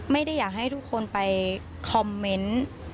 อยากให้ทุกคนไปคอมเมนต์